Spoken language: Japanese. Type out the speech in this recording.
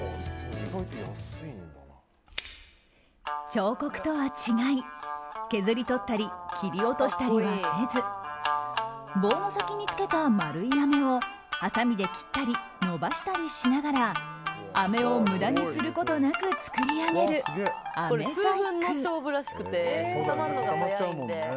彫刻とは違い、削り取ったり切り落としたりはせず棒の先につけた丸いあめをはさみで切ったり伸ばしたりしながらあめを無駄にすることなく作り上げる、あめ細工。